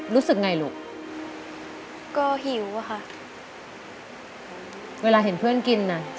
รู้สึกไงลูกก็หิวอะค่ะเวลาเห็นเพื่อนกินน่ะ